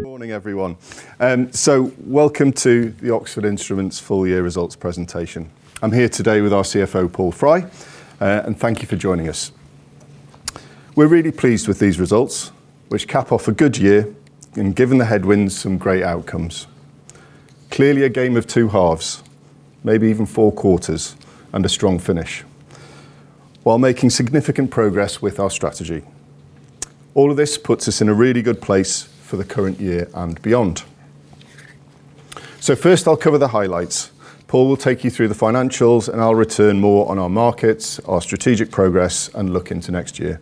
Good morning, everyone. Welcome to the Oxford Instruments full year results presentation. I'm here today with our CFO, Paul Fry, and thank you for joining us. We're really pleased with these results, which cap off a good year and, given the headwinds, some great outcomes. Clearly a game of two halves, maybe even four quarters, and a strong finish, while making significant progress with our strategy. All of this puts us in a really good place for the current year and beyond. First I'll cover the highlights. Paul will take you through the financials, and I'll return more on our markets, our strategic progress, and look into next year.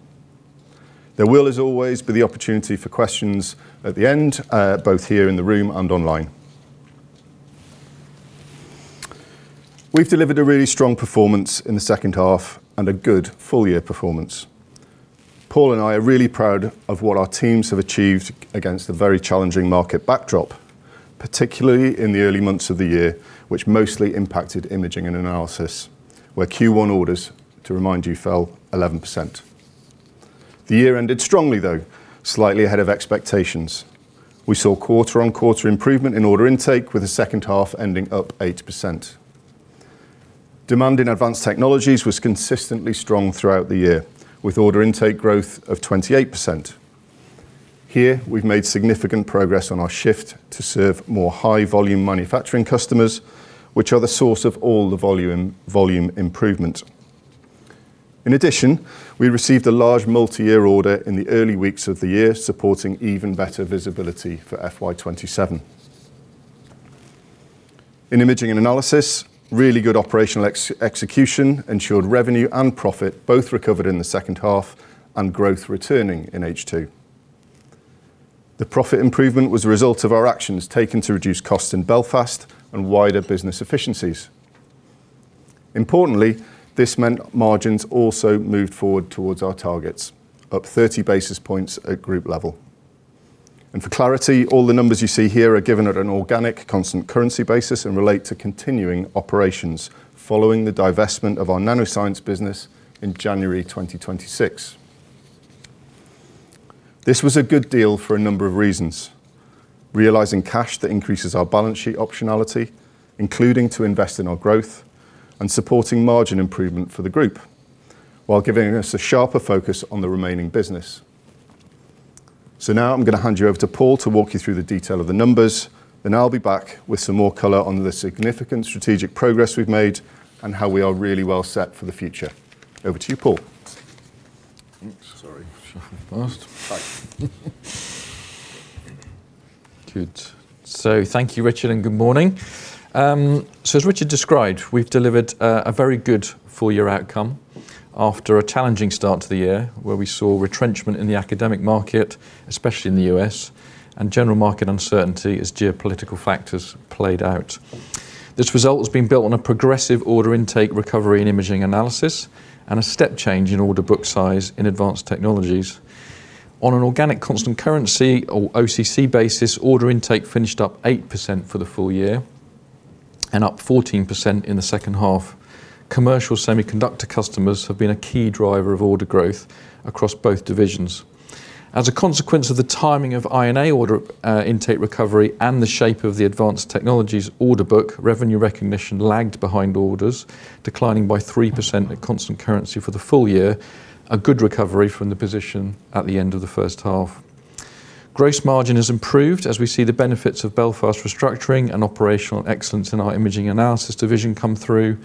There will, as always, be the opportunity for questions at the end, both here in the room and online. We've delivered a really strong performance in the second half and a good full year performance. Paul and I are really proud of what our teams have achieved against a very challenging market backdrop, particularly in the early months of the year, which mostly impacted Imaging & Analysis, where Q1 orders, to remind you, fell 11%. The year ended strongly, though, slightly ahead of expectations. We saw quarter-on-quarter improvement in order intake, with the second half ending up 8%. Demand in Advanced Technologies was consistently strong throughout the year, with order intake growth of 28%. Here, we've made significant progress on our shift to serve more high volume manufacturing customers, which are the source of all the volume improvement. In addition, we received a large multi-year order in the early weeks of the year, supporting even better visibility for FY 2027. In Imaging & Analysis, really good operational execution ensured revenue and profit both recovered in the second half and growth returning in H2. The profit improvement was a result of our actions taken to reduce costs in Belfast and wider business efficiencies. Importantly, this meant margins also moved forward towards our targets, up 30 basis points at group level. For clarity, all the numbers you see here are given at an organic constant currency basis and relate to continuing operations following the divestment of our NanoScience business in January 2026. This was a good deal for a number of reasons. Realizing cash that increases our balance sheet optionality, including to invest in our growth and supporting margin improvement for the group, while giving us a sharper focus on the remaining business. Now I'm going to hand you over to Paul to walk you through the detail of the numbers, then I'll be back with some more color on the significant strategic progress we've made and how we are really well set for the future. Over to you, Paul. Oops, sorry. Shuffled past. Good. Thank you, Richard, and good morning. As Richard described, we've delivered a very good full year outcome after a challenging start to the year where we saw retrenchment in the academic market, especially in the U.S., and general market uncertainty as geopolitical factors played out. This result has been built on a progressive order intake recovery in Imaging & Analysis and a step change in order book size in Advanced Technologies. On an organic constant currency or OCC basis, order intake finished up 8% for the full year and up 14% in the second half. Commercial semiconductor customers have been a key driver of order growth across both divisions. As a consequence of the timing of INA order intake recovery and the shape of the Advanced Technologies order book, revenue recognition lagged behind orders, declining by 3% at constant currency for the full year, a good recovery from the position at the end of the first half. Gross margin has improved as we see the benefits of Belfast restructuring and operational excellence in our Imaging & Analysis division come through, and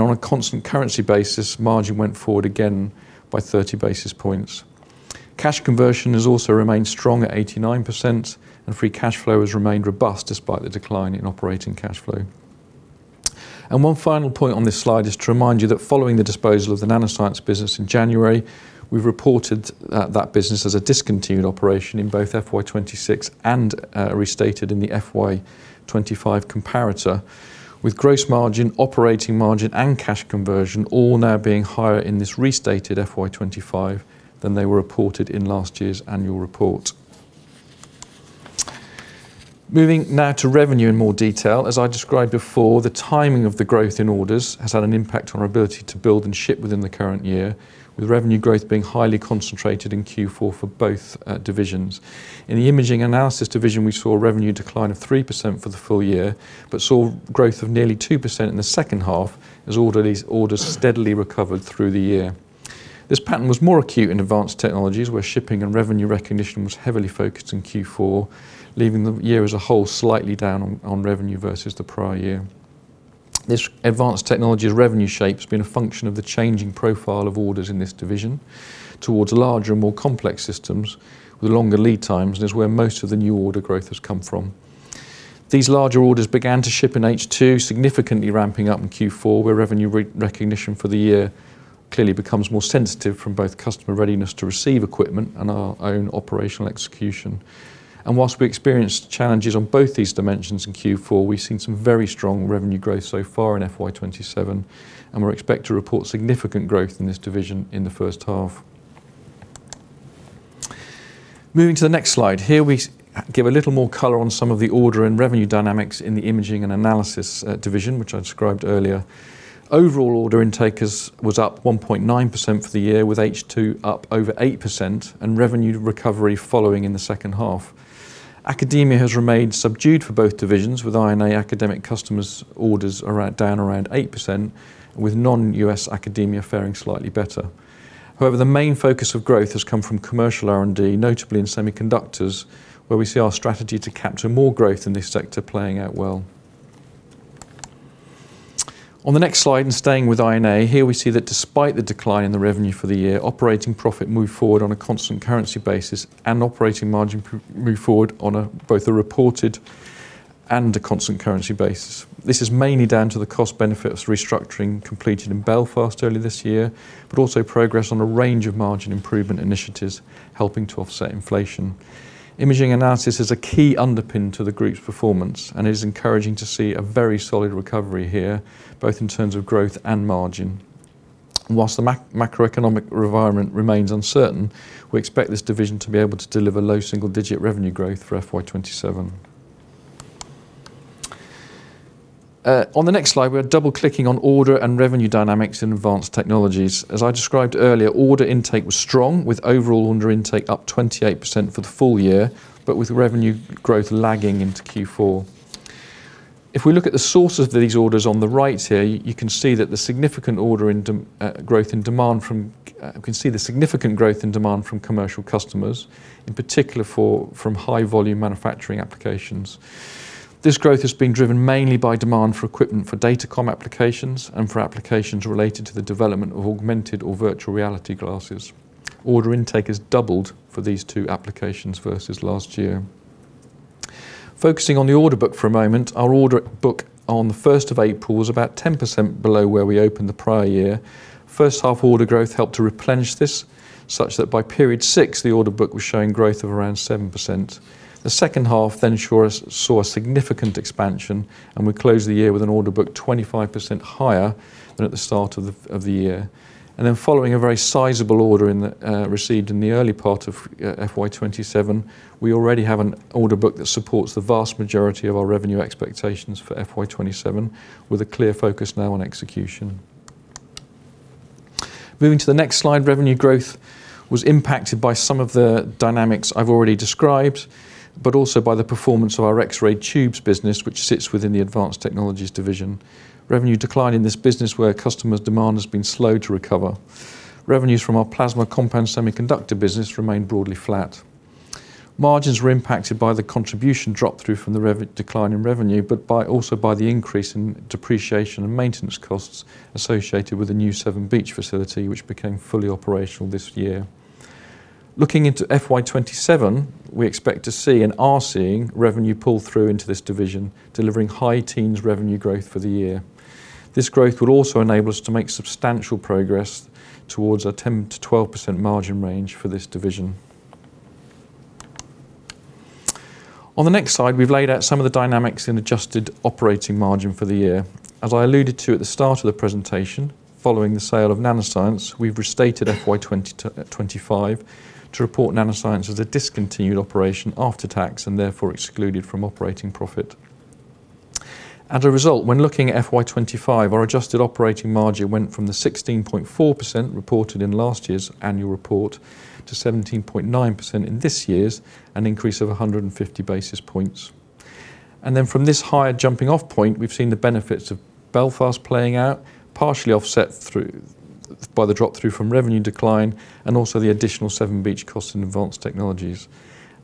on a constant currency basis, margin went forward again by 30 basis points. Cash conversion has also remained strong at 89%, and free cash flow has remained robust despite the decline in operating cash flow. One final point on this slide is to remind you that following the disposal of the NanoScience business in January, we've reported that that business as a discontinued operation in both FY 2026 and restated in the FY 2025 comparator, with gross margin, operating margin, and cash conversion all now being higher in this restated FY 2025 than they were reported in last year's annual report. Moving now to revenue in more detail. As I described before, the timing of the growth in orders has had an impact on our ability to build and ship within the current year, with revenue growth being highly concentrated in Q4 for both divisions. In the Imaging & Analysis division, we saw revenue decline of 3% for the full year, but saw growth of nearly 2% in the second half as orders steadily recovered through the year. This pattern was more acute in Advanced Technologies, where shipping and revenue recognition was heavily focused in Q4, leaving the year as a whole slightly down on revenue versus the prior year. This Advanced Technologies revenue shape has been a function of the changing profile of orders in this division towards larger and more complex systems with longer lead times, and is where most of the new order growth has come from. These larger orders began to ship in H2, significantly ramping up in Q4, where revenue recognition for the year clearly becomes more sensitive from both customer readiness to receive equipment and our own operational execution. Whilst we experienced challenges on both these dimensions in Q4, we've seen some very strong revenue growth so far in FY 2027, and we expect to report significant growth in this division in the first half. Moving to the next slide. Here we give a little more color on some of the order and revenue dynamics in the Imaging & Analysis division, which I described earlier. Overall order intake was up 1.9% for the year, with H2 up over 8% and revenue recovery following in the second half. Academia has remained subdued for both divisions, with INA academic customers' orders down around 8%, with non-U.S. academia faring slightly better. However, the main focus of growth has come from commercial R&D, notably in semiconductors, where we see our strategy to capture more growth in this sector playing out well. On the next slide, and staying with INA, here we see that despite the decline in the revenue for the year, operating profit moved forward on a constant currency basis, and operating margin moved forward on both a reported and a constant currency basis. This is mainly down to the cost benefits of restructuring completed in Belfast early this year, but also progress on a range of margin improvement initiatives helping to offset inflation. Imaging & Analysis is a key underpin to the group's performance, and it is encouraging to see a very solid recovery here, both in terms of growth and margin. Whilst the macroeconomic environment remains uncertain, we expect this division to be able to deliver low single-digit revenue growth for FY 2027. On the next slide, we are double-clicking on order and revenue dynamics in Advanced Technologies. As I described earlier, order intake was strong, with overall order intake up 28% for the full year, but with revenue growth lagging into Q4. If we look at the source of these orders on the right here, you can see the significant growth in demand from commercial customers, in particular from high-volume manufacturing applications. This growth has been driven mainly by demand for equipment for datacom applications and for applications related to the development of augmented or virtual reality glasses. Order intake has doubled for these two applications versus last year. Focusing on the order book for a moment, our order book on the 1st of April was about 10% below where we opened the prior year. First half order growth helped to replenish this, such that by period six, the order book was showing growth of around 7%. The second half saw a significant expansion, and we closed the year with an order book 25% higher than at the start of the year. Following a very sizable order received in the early part of FY 2027, we already have an order book that supports the vast majority of our revenue expectations for FY 2027, with a clear focus now on execution. Moving to the next slide, revenue growth was impacted by some of the dynamics I have already described, but also by the performance of our X-ray tubes business, which sits within the Advanced Technologies division. Revenue decline in this business, where customers' demand has been slow to recover. Revenues from our plasma compound semiconductor business remained broadly flat. Margins were impacted by the contribution drop-through from the decline in revenue, but also by the increase in depreciation and maintenance costs associated with the new Severn Beach facility, which became fully operational this year. Looking into FY 2027, we expect to see, and are seeing, revenue pull through into this division, delivering high teens revenue growth for the year. This growth will also enable us to make substantial progress towards a 10%-12% margin range for this division. On the next slide, we've laid out some of the dynamics in adjusted operating margin for the year. As I alluded to at the start of the presentation, following the sale of NanoScience, we've restated FY 2025 to report NanoScience as a discontinued operation after tax, and therefore excluded from operating profit. As a result, when looking at FY 2025, our adjusted operating margin went from the 16.4% reported in last year's annual report to 17.9% in this year's, an increase of 150 basis points. From this higher jumping-off point, we've seen the benefits of Belfast playing out, partially offset by the drop-through from revenue decline, and also the additional Severn Beach costs and Advanced Technologies.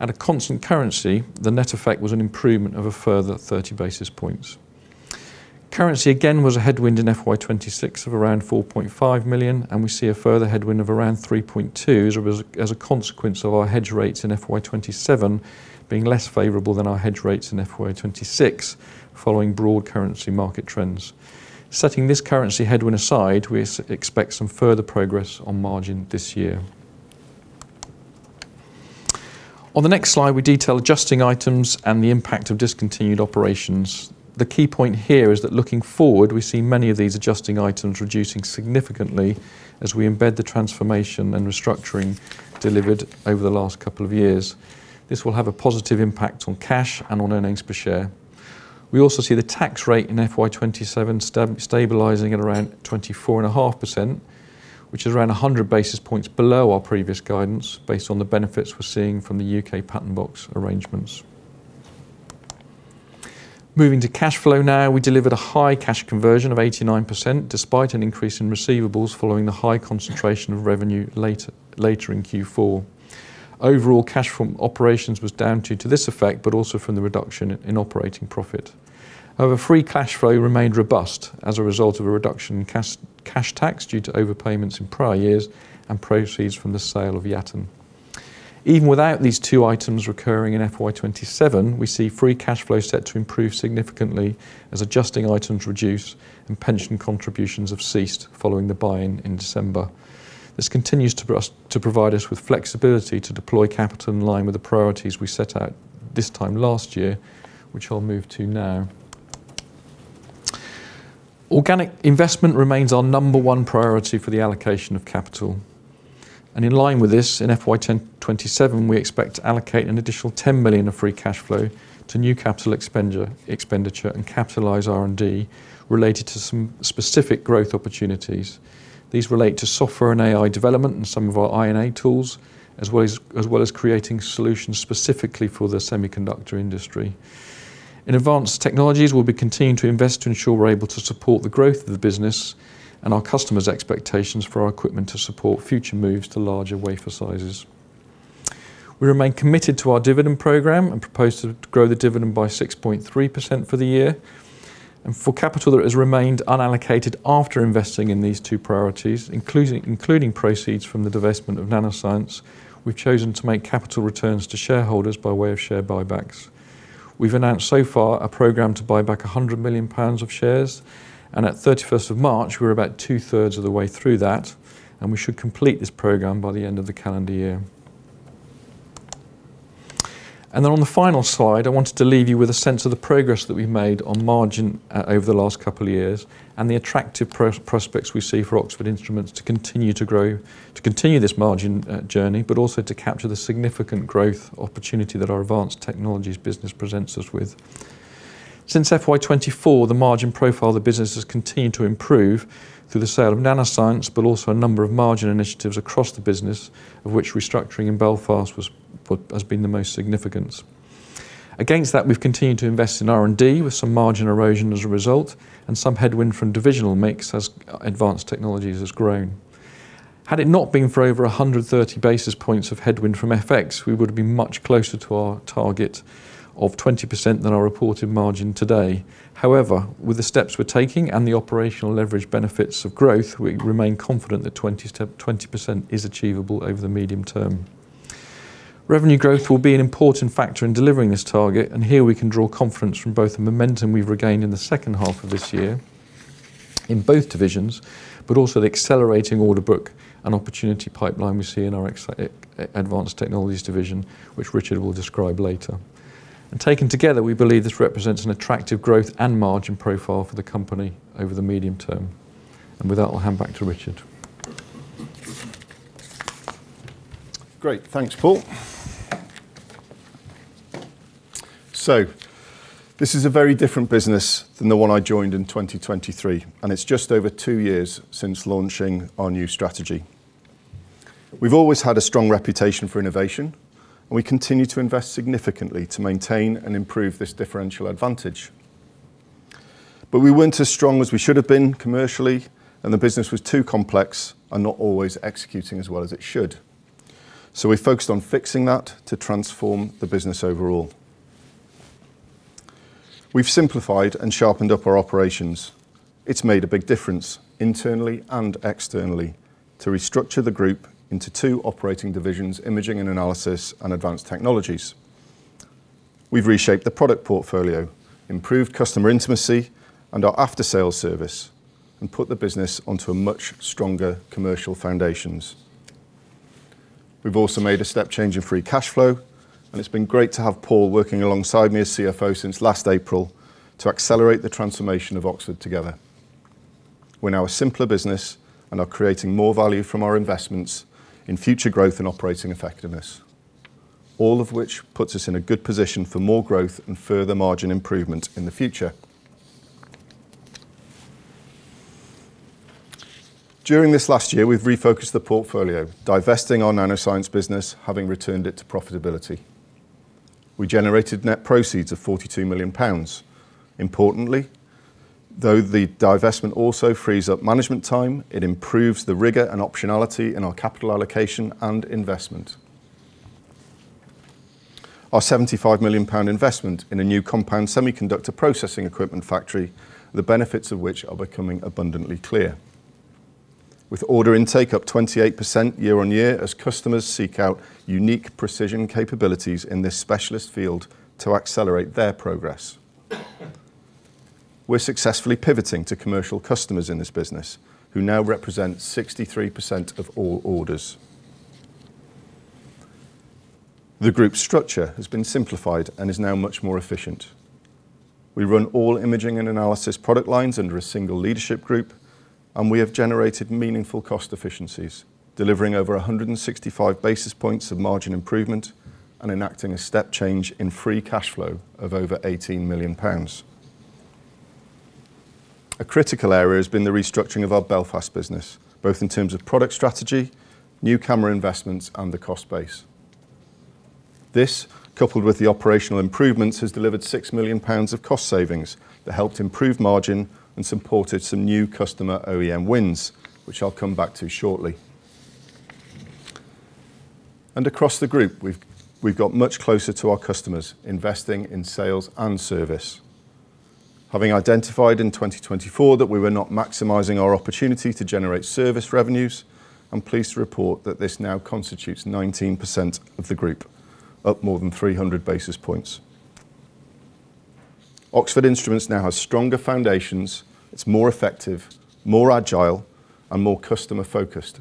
At a constant currency, the net effect was an improvement of a further 30 basis points. Currency again was a headwind in FY 2026 of around 4.5 million. We see a further headwind of around 3.2 million as a consequence of our hedge rates in FY 2027 being less favorable than our hedge rates in FY 2026, following broad currency market trends. Setting this currency headwind aside, we expect some further progress on margin this year. On the next slide, we detail adjusting items and the impact of discontinued operations. The key point here is that looking forward, we see many of these adjusting items reducing significantly as we embed the transformation and restructuring delivered over the last couple of years. This will have a positive impact on cash and on earnings per share. We also see the tax rate in FY 2027 stabilizing at around 24.5%, which is around 100 basis points below our previous guidance, based on the benefits we're seeing from the U.K. patent box arrangements. Moving to cash flow now, we delivered a high cash conversion of 89%, despite an increase in receivables following the high concentration of revenue later in Q4. Overall, cash from operations was down to this effect, also from the reduction in operating profit. However, free cash flow remained robust as a result of a reduction in cash tax due to overpayments in prior years and proceeds from the sale of Yatton. Even without these two items recurring in FY 2027, we see free cash flow set to improve significantly as adjusting items reduce and pension contributions have ceased following the buy in December. This continues to provide us with flexibility to deploy capital in line with the priorities we set out this time last year, which I'll move to now. Organic investment remains our number one priority for the allocation of capital. In line with this, in FY 2027, we expect to allocate an additional 10 million of free cash flow to new capital expenditure and capitalize R&D related to some specific growth opportunities. These relate to software and AI development in some of our INA tools, as well as creating solutions specifically for the semiconductor industry. In Advanced Technologies, we'll be continuing to invest to ensure we're able to support the growth of the business and our customers' expectations for our equipment to support future moves to larger wafer sizes. We remain committed to our dividend program and propose to grow the dividend by 6.3% for the year. For capital that has remained unallocated after investing in these two priorities, including proceeds from the divestment of NanoScience, we've chosen to make capital returns to shareholders by way of share buybacks. We've announced so far a program to buy back 100 million pounds of shares, and at 31st of March, we were about 2/3 of the way through that, and we should complete this program by the end of the calendar year. On the final slide, I wanted to leave you with a sense of the progress that we've made on margin over the last couple of years and the attractive prospects we see for Oxford Instruments to continue to grow, to continue this margin journey, but also to capture the significant growth opportunity that our Advanced Technologies business presents us with. Since FY 2024, the margin profile of the business has continued to improve through the sale of NanoScience, but also a number of margin initiatives across the business, of which restructuring in Belfast has been the most significant. Against that, we've continued to invest in R&D with some margin erosion as a result, and some headwind from divisional mix as Advanced Technologies has grown. Had it not been for over 130 basis points of headwind from FX, we would have been much closer to our target of 20% than our reported margin today. However, with the steps we're taking and the operational leverage benefits of growth, we remain confident that 20% is achievable over the medium term. Revenue growth will be an important factor in delivering this target, and here we can draw confidence from both the momentum we've regained in the second half of this year in both divisions, but also the accelerating order book and opportunity pipeline we see in our Advanced Technologies division, which Richard will describe later. Taken together, we believe this represents an attractive growth and margin profile for the company over the medium term. With that, I'll hand back to Richard. Great. Thanks, Paul. This is a very different business than the one I joined in 2023, and it's just over two years since launching our new strategy. We've always had a strong reputation for innovation, and we continue to invest significantly to maintain and improve this differential advantage. But we weren't as strong as we should have been commercially, and the business was too complex and not always executing as well as it should. We focused on fixing that to transform the business overall. We've simplified and sharpened up our operations. It's made a big difference internally and externally to restructure the group into two operating divisions, Imaging & Analysis and Advanced Technologies. We've reshaped the product portfolio, improved customer intimacy and our after-sale service, and put the business onto a much stronger commercial foundations. We've also made a step change in free cash flow, and it's been great to have Paul working alongside me as CFO since last April to accelerate the transformation of Oxford together. We're now a simpler business and are creating more value from our investments in future growth and operating effectiveness. All of which puts us in a good position for more growth and further margin improvement in the future. During this last year, we've refocused the portfolio, divesting our NanoScience business, having returned it to profitability. We generated net proceeds of 42 million pounds. Importantly, though the divestment also frees up management time, it improves the rigor and optionality in our capital allocation and investment. Our 75 million pound investment in a new compound semiconductor processing equipment factory, the benefits of which are becoming abundantly clear. With order intake up 28% year-on-year as customers seek out unique precision capabilities in this specialist field to accelerate their progress. We're successfully pivoting to commercial customers in this business who now represent 63% of all orders. The group structure has been simplified and is now much more efficient. We run all Imaging & Analysis product lines under a single leadership group, and we have generated meaningful cost efficiencies, delivering over 165 basis points of margin improvement and enacting a step change in free cash flow of over 18 million pounds. A critical area has been the restructuring of our Belfast business, both in terms of product strategy, new camera investments, and the cost base. This, coupled with the operational improvements, has delivered 6 million pounds of cost savings that helped improve margin and supported some new customer OEM wins, which I'll come back to shortly. Across the group, we've got much closer to our customers, investing in sales and service. Having identified in 2024 that we were not maximizing our opportunity to generate service revenues, I'm pleased to report that this now constitutes 19% of the group, up more than 300 basis points. Oxford Instruments now has stronger foundations. It's more effective, more agile, and more customer-focused,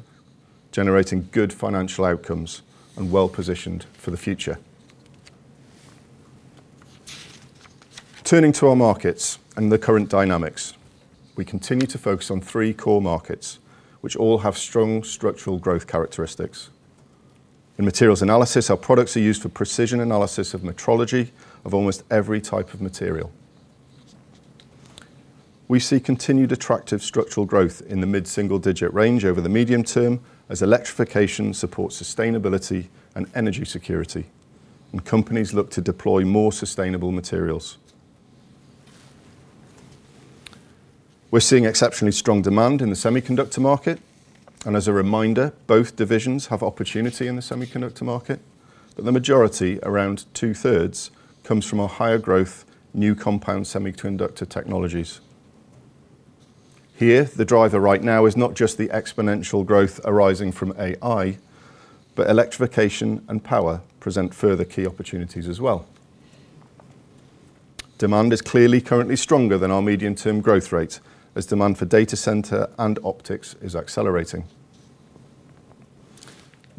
generating good financial outcomes and well-positioned for the future. Turning to our markets and the current dynamics, we continue to focus on three core markets, which all have strong structural growth characteristics. In materials analysis, our products are used for precision analysis of metrology of almost every type of material. We see continued attractive structural growth in the mid-single-digit range over the medium term as electrification supports sustainability and energy security, and companies look to deploy more sustainable materials. We're seeing exceptionally strong demand in the semiconductor market, and as a reminder, both divisions have opportunity in the semiconductor market, but the majority, around 2/3, comes from our higher growth new compound semiconductor technologies. Here, the driver right now is not just the exponential growth arising from AI, but electrification and power present further key opportunities as well. Demand is clearly currently stronger than our medium-term growth rate, as demand for data center and optics is accelerating.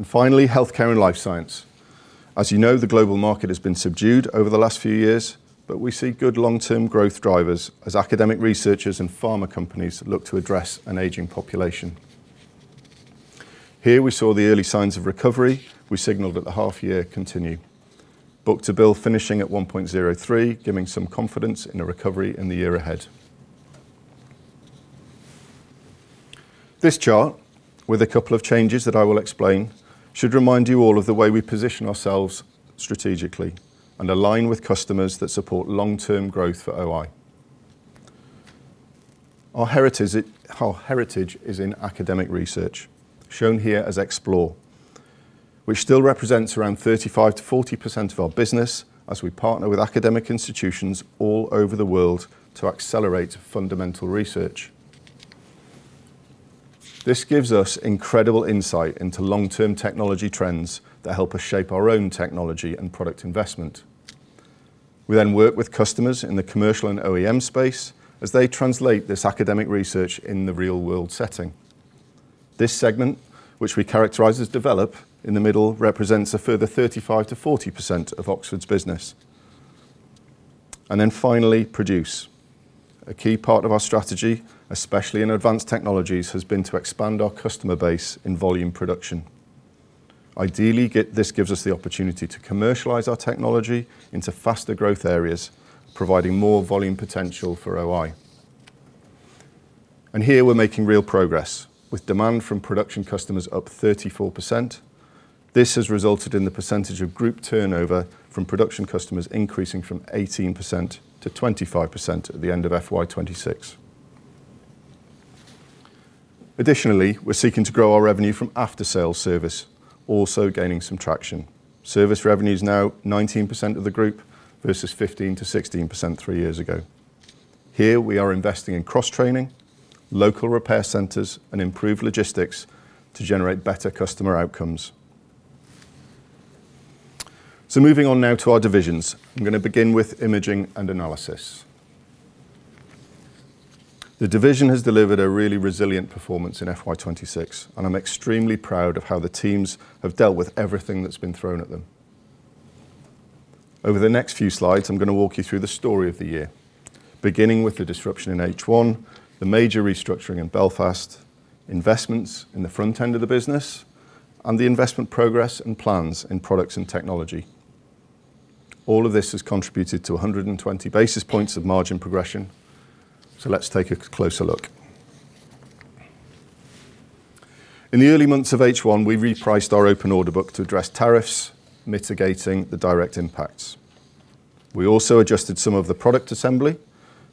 Finally, healthcare and life science. As you know, the global market has been subdued over the last few years, but we see good long-term growth drivers as academic researchers and pharma companies look to address an aging population. Here, we saw the early signs of recovery we signaled at the half year continue. Book-to-bill finishing at 1.03, giving some confidence in a recovery in the year ahead. This chart, with a couple of changes that I will explain, should remind you all of the way we position ourselves strategically and align with customers that support long-term growth for OI. Our heritage is in academic research, shown here as Explore, which still represents around 35%-40% of our business as we partner with academic institutions all over the world to accelerate fundamental research. This gives us incredible insight into long-term technology trends that help us shape our own technology and product investment. We then work with customers in the commercial and OEM space as they translate this academic research in the real-world setting. This segment, which we characterize as Develop, in the middle represents a further 35%-40% of Oxford's business. Finally Produce. A key part of our strategy, especially in Advanced Technologies, has been to expand our customer base in volume production. Ideally, this gives us the opportunity to commercialize our technology into faster growth areas, providing more volume potential for OI. Here we're making real progress. With demand from production customers up 34%, this has resulted in the percentage of group turnover from production customers increasing from 18%-25% at the end of FY 2026. Additionally, we're seeking to grow our revenue from after-sale service, also gaining some traction. Service revenue is now 19% of the group versus 15%-16% three years ago. Here we are investing in cross-training, local repair centers, and improved logistics to generate better customer outcomes. Moving on now to our divisions. I'm going to begin with Imaging & Analysis. The division has delivered a really resilient performance in FY 2026, and I'm extremely proud of how the teams have dealt with everything that's been thrown at them. Over the next few slides, I'm going to walk you through the story of the year, beginning with the disruption in H1, the major restructuring in Belfast, investments in the front end of the business, and the investment progress and plans in products and technology. All of this has contributed to 120 basis points of margin progression. Let's take a closer look. In the early months of H1, we repriced our open order book to address tariffs, mitigating the direct impacts. We also adjusted some of the product assembly,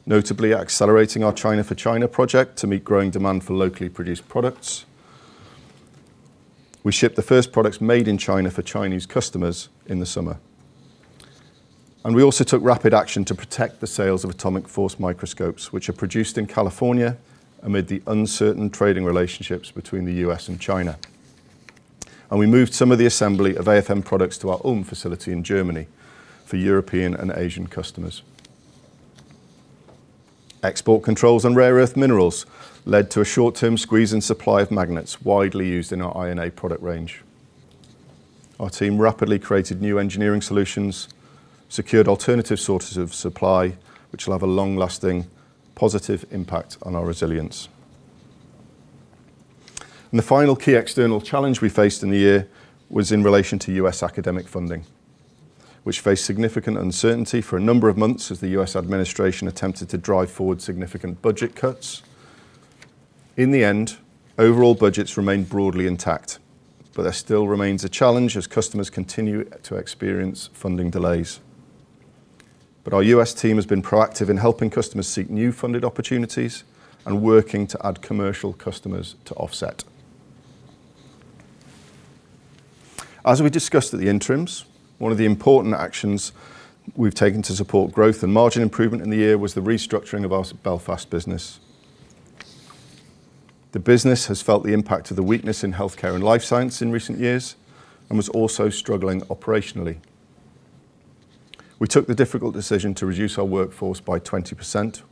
notably accelerating our China for China project to meet growing demand for locally produced products. We shipped the first products made in China for Chinese customers in the summer. We also took rapid action to protect the sales of atomic force microscopes, which are produced in California amid the uncertain trading relationships between the U.S. and China. We moved some of the assembly of AFM products to our Ulm facility in Germany for European and Asian customers. Export controls on rare earth minerals led to a short-term squeeze in supply of magnets widely used in our INA product range. Our team rapidly created new engineering solutions, secured alternative sources of supply, which will have a long-lasting, positive impact on our resilience. The final key external challenge we faced in the year was in relation to U.S. academic funding, which faced significant uncertainty for a number of months as the U.S. administration attempted to drive forward significant budget cuts. In the end, overall budgets remained broadly intact, but there still remains a challenge as customers continue to experience funding delays. Our U.S. team has been proactive in helping customers seek new funded opportunities and working to add commercial customers to offset. As we discussed at the interims, one of the important actions we've taken to support growth and margin improvement in the year was the restructuring of our Belfast business. The business has felt the impact of the weakness in healthcare and life science in recent years and was also struggling operationally. We took the difficult decision to reduce our workforce by 20%,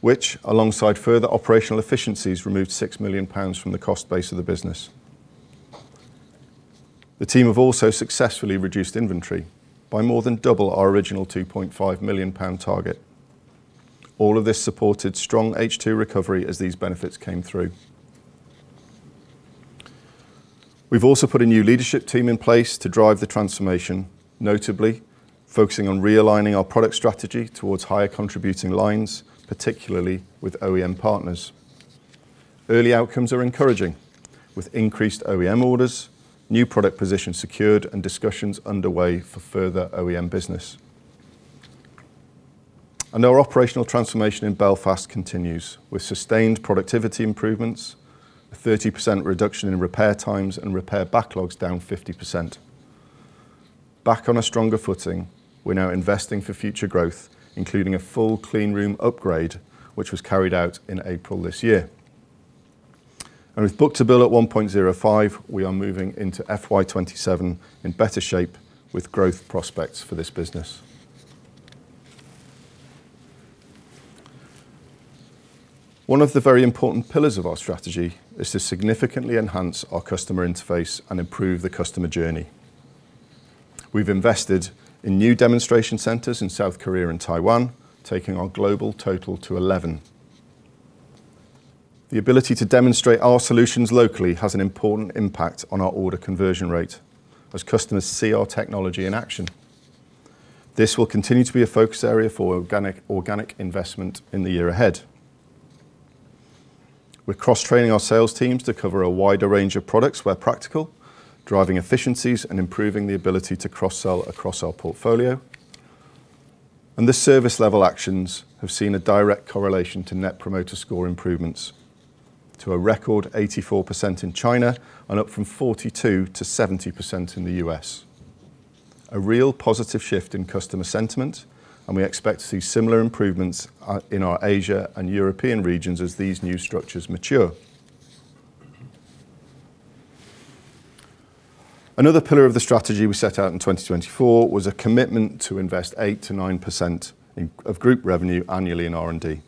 which, alongside further operational efficiencies, removed 6 million pounds from the cost base of the business. The team have also successfully reduced inventory by more than double our original 2.5 million pound target. All of this supported strong H2 recovery as these benefits came through. We've also put a new leadership team in place to drive the transformation, notably focusing on realigning our product strategy towards higher contributing lines, particularly with OEM partners. Early outcomes are encouraging, with increased OEM orders, new product positions secured, and discussions underway for further OEM business. Our operational transformation in Belfast continues, with sustained productivity improvements, a 30% reduction in repair times, and repair backlogs down 50%. Back on a stronger footing, we're now investing for future growth, including a full clean room upgrade, which was carried out in April this year. With book-to-bill at 1.05, we are moving into FY 2027 in better shape with growth prospects for this business. One of the very important pillars of our strategy is to significantly enhance our customer interface and improve the customer journey. We've invested in new demonstration centers in South Korea and Taiwan, taking our global total to 11. The ability to demonstrate our solutions locally has an important impact on our order conversion rate as customers see our technology in action. This will continue to be a focus area for organic investment in the year ahead. We're cross-training our sales teams to cover a wider range of products where practical, driving efficiencies, and improving the ability to cross-sell across our portfolio. This service level actions have seen a direct correlation to Net Promoter Score improvements to a record 84% in China and up from 42% to 70% in the U.S. A real positive shift in customer sentiment, and we expect to see similar improvements in our Asia and European regions as these new structures mature. Another pillar of the strategy we set out in 2024 was a commitment to invest 8%-9% of group revenue annually in R&D,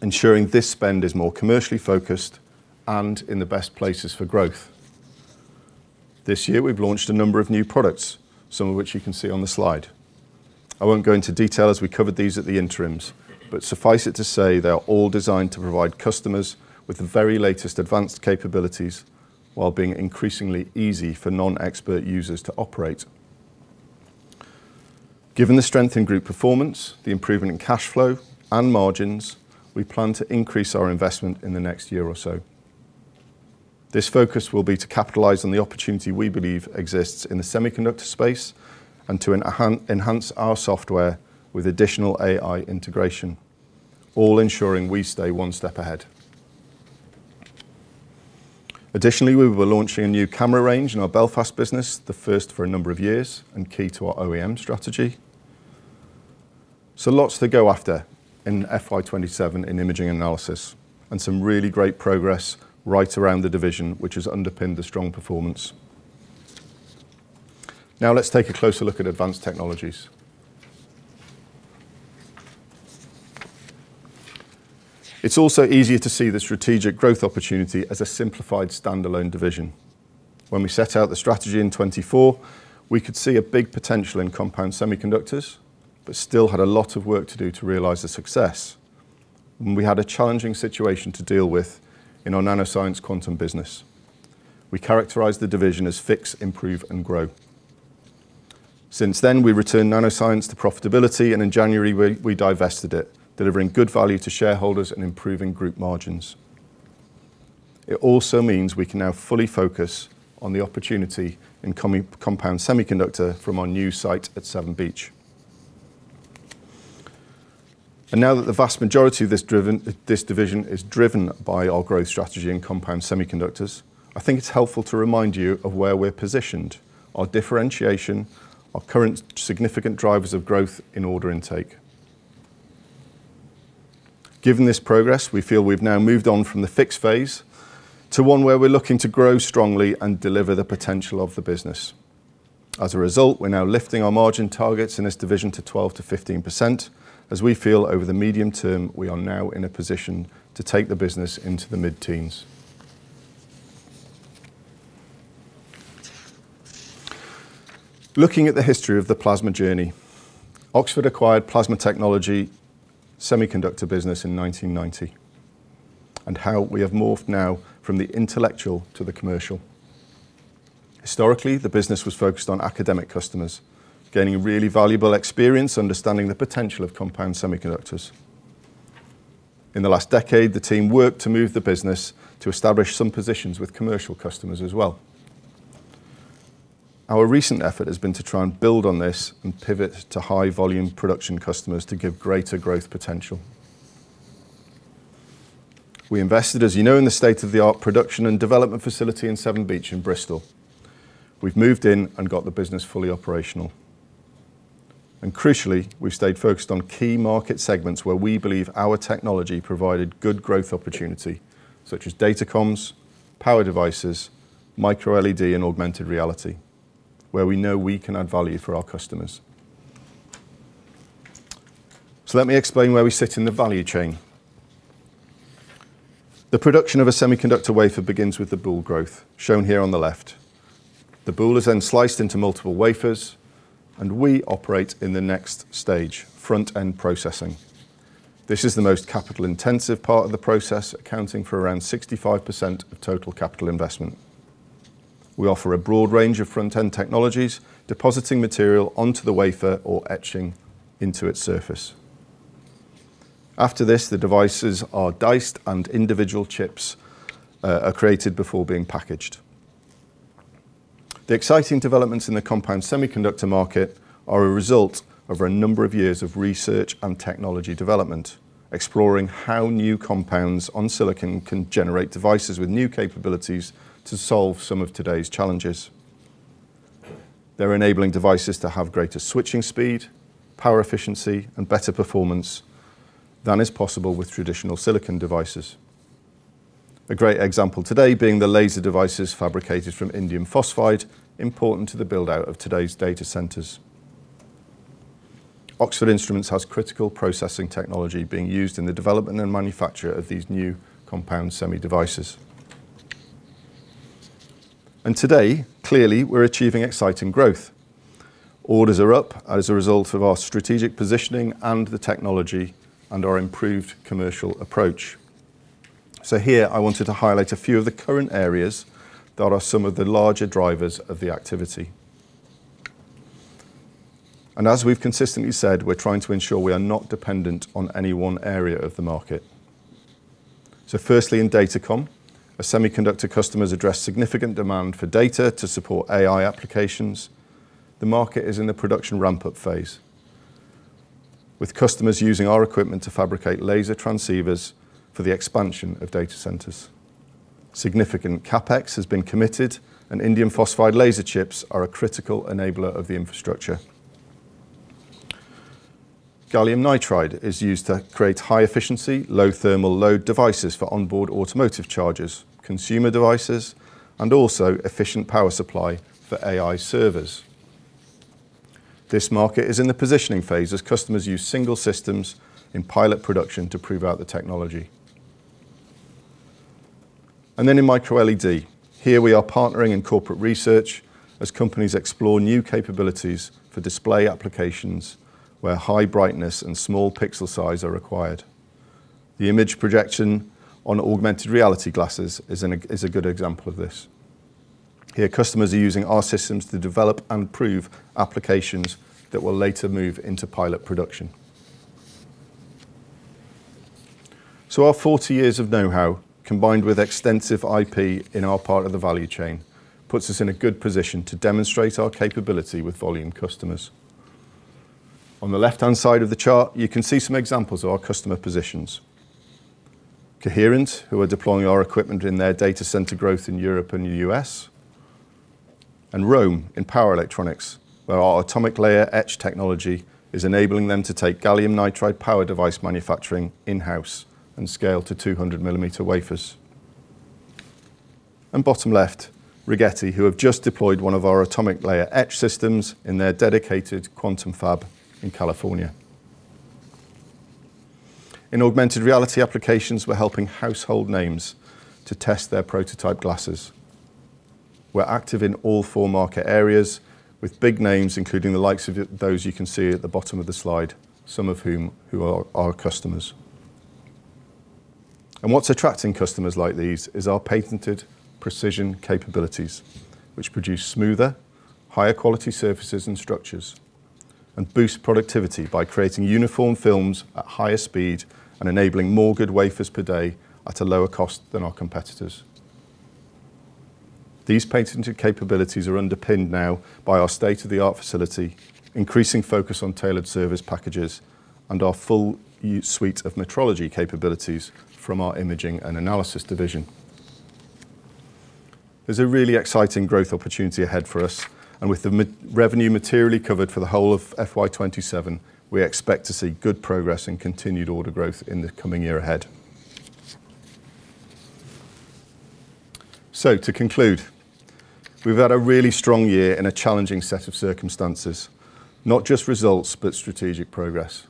ensuring this spend is more commercially focused and in the best places for growth. This year, we've launched a number of new products, some of which you can see on the slide. I won't go into detail, as we covered these at the interims, but suffice it to say, they are all designed to provide customers with the very latest advanced capabilities while being increasingly easy for non-expert users to operate. Given the strength in group performance, the improvement in cash flow, and margins, we plan to increase our investment in the next year or so. This focus will be to capitalize on the opportunity we believe exists in the semiconductor space and to enhance our software with additional AI integration, all ensuring we stay one step ahead. Additionally, we'll be launching a new camera range in our Belfast business, the first for a number of years, and key to our OEM strategy. Lots to go after in FY 2027 in Imaging & Analysis, and some really great progress right around the division, which has underpinned the strong performance. Let's take a closer look at Advanced Technologies. It's also easier to see the strategic growth opportunity as a simplified standalone division. When we set out the strategy in 2024, we could see a big potential in compound semiconductors, but still had a lot of work to do to realize the success, and we had a challenging situation to deal with in our NanoScience quantum business. We characterized the division as fix, improve, and grow. Since then, we returned NanoScience to profitability, and in January, we divested it, delivering good value to shareholders and improving group margins. It also means we can now fully focus on the opportunity in compound semiconductor from our new site at Severn Beach. Now that the vast majority of this division is driven by our growth strategy in compound semiconductors, I think it's helpful to remind you of where we're positioned, our differentiation, our current significant drivers of growth in order intake. Given this progress, we feel we've now moved on from the fixed phase to one where we're looking to grow strongly and deliver the potential of the business. As a result, we're now lifting our margin targets in this division to 12%-15%, as we feel over the medium term, we are now in a position to take the business into the mid-teens. Looking at the history of the Plasma journey, Oxford acquired Plasma Technology semiconductor business in 1990, and how we have morphed now from the intellectual to the commercial. Historically, the business was focused on academic customers, gaining really valuable experience understanding the potential of compound semiconductors. In the last decade, the team worked to move the business to establish some positions with commercial customers as well. Our recent effort has been to try and build on this and pivot to high-volume production customers to give greater growth potential. We invested, as you know, in the state-of-the-art production and development facility in Severn Beach in Bristol. We've moved in and got the business fully operational. Crucially, we've stayed focused on key market segments where we believe our technology provided good growth opportunity, such as data comms, power devices, micro-LED, and augmented reality, where we know we can add value for our customers. Let me explain where we sit in the value chain. The production of a semiconductor wafer begins with the boule growth, shown here on the left. The boule is then sliced into multiple wafers, and we operate in the next stage, front-end processing. This is the most capital-intensive part of the process, accounting for around 65% of total capital investment. We offer a broad range of front-end technologies, depositing material onto the wafer or etching into its surface. After this, the devices are diced, and individual chips are created before being packaged. The exciting developments in the compound semiconductor market are a result of a number of years of research and technology development, exploring how new compounds on silicon can generate devices with new capabilities to solve some of today's challenges. They're enabling devices to have greater switching speed, power efficiency, and better performance than is possible with traditional silicon devices. A great example today being the laser devices fabricated from indium phosphide, important to the build-out of today's data centers. Oxford Instruments has critical processing technology being used in the development and manufacture of these new compound semi devices. Today, clearly, we're achieving exciting growth. Orders are up as a result of our strategic positioning and the technology and our improved commercial approach. Here, I wanted to highlight a few of the current areas that are some of the larger drivers of the activity. As we've consistently said, we're trying to ensure we are not dependent on any one area of the market. Firstly, in datacom, our semiconductor customers address significant demand for data to support AI applications. The market is in the production ramp-up phase, with customers using our equipment to fabricate laser transceivers for the expansion of data centers. Significant CapEx has been committed, and indium phosphide laser chips are a critical enabler of the infrastructure. Gallium nitride is used to create high-efficiency, low thermal load devices for onboard automotive chargers, consumer devices, and also efficient power supply for AI servers. This market is in the positioning phase as customers use single systems in pilot production to prove out the technology. In micro-LED, here we are partnering in corporate research as companies explore new capabilities for display applications where high brightness and small pixel size are required. The image projection on augmented reality glasses is a good example of this. Here, customers are using our systems to develop and prove applications that will later move into pilot production. Our 40 years of know-how, combined with extensive IP in our part of the value chain, puts us in a good position to demonstrate our capability with volume customers. On the left-hand side of the chart, you can see some examples of our customer positions. Coherent, who are deploying our equipment in their data center growth in Europe and the U.S., ROHM in power electronics, where our atomic layer etch technology is enabling them to take gallium nitride power device manufacturing in-house and scale to 200 mm wafers. Bottom left, Rigetti, who have just deployed one of our atomic layer etch systems in their dedicated quantum fab in California. In augmented reality applications, we're helping household names to test their prototype glasses. We're active in all four market areas with big names, including the likes of those you can see at the bottom of the slide, some of whom are our customers. What's attracting customers like these is our patented precision capabilities, which produce smoother, higher quality surfaces and structures and boost productivity by creating uniform films at higher speed and enabling more good wafers per day at a lower cost than our competitors. These patented capabilities are underpinned now by our state-of-the-art facility, increasing focus on tailored service packages, and our full suite of metrology capabilities from our Imaging & Analysis division. There's a really exciting growth opportunity ahead for us, with the revenue materially covered for the whole of FY 2027, we expect to see good progress and continued order growth in the coming year ahead. To conclude, we've had a really strong year in a challenging set of circumstances. Not just results, but strategic progress.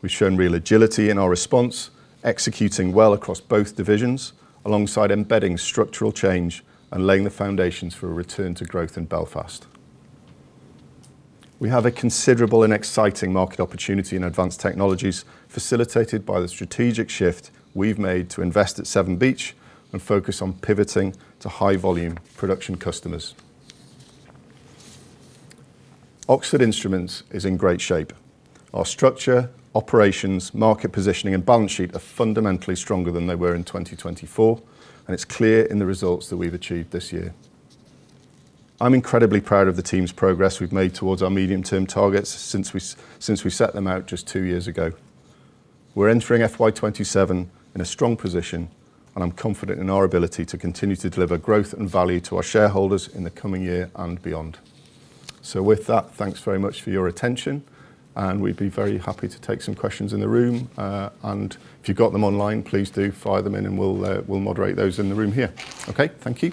We've shown real agility in our response, executing well across both divisions, alongside embedding structural change and laying the foundations for a return to growth in Belfast. We have a considerable and exciting market opportunity in Advanced Technologies, facilitated by the strategic shift we've made to invest at Severn Beach and focus on pivoting to high volume production customers. Oxford Instruments is in great shape. Our structure, operations, market positioning, and balance sheet are fundamentally stronger than they were in 2024, and it's clear in the results that we've achieved this year. I'm incredibly proud of the team's progress we've made towards our medium-term targets since we set them out just two years ago. We're entering FY 2027 in a strong position, and I'm confident in our ability to continue to deliver growth and value to our shareholders in the coming year and beyond. With that, thanks very much for your attention, and we'd be very happy to take some questions in the room. If you've got them online, please do fire them in and we'll moderate those in the room here. Okay. Thank you.